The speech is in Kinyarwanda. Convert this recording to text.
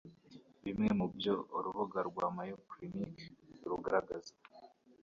Bimwe mu byo urubuga mayoclinic rugaragaza